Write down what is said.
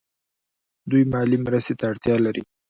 دوی مالي مرستې ته اړتیا لري.